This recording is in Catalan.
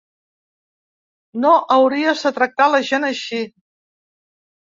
No hauries de tractar la gent així.